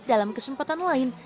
dalam kesempatan lain